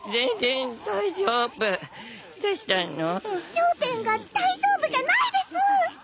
焦点が大丈夫じゃないです！